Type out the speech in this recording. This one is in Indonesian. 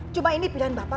cuma ini pilihan bapak